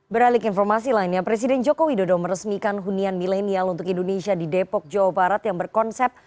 beralik informasi lainnya presiden joko widodo meresmikan hunian milenial untuk indonesia di depok jawa barat yang berkonsep